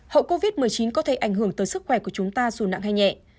hậu covid một mươi chín có thể ảnh hưởng tới sức khỏe của chúng ta dù nặng hay nhẹ